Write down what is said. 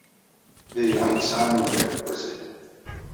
D aya ay yesɛan ugar n wazal!